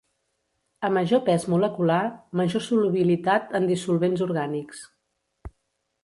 A major pes molecular, major solubilitat en dissolvents orgànics.